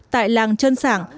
tại làng trơn sảng